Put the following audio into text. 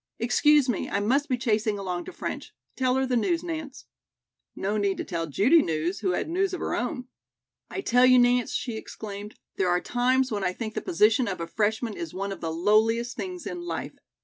"Excuse me, I must be chasing along to French. Tell her the news, Nance." No need to tell Judy news, who had news of her own. "I tell you, Nance," she exclaimed, "there are times when I think the position of a freshman is one of the lowliest things in life.